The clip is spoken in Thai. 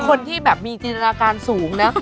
เป็นคนที่มีติดลาการสูงนะ